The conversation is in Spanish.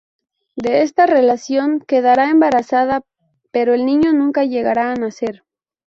De esta relación quedará embarazada pero el niño nunca llegará a nacer.